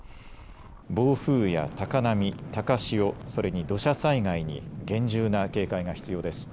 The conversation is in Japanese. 暴風や高波、高潮、それに土砂災害に厳重な警戒が必要です。